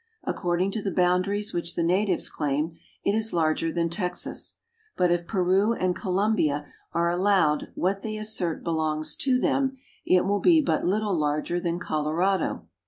According to the boundaries which the natives claim, it is larger than Texas ; but if Peru and Colombia are allowed what they assert belongs to them it will be but little larger than Colorado.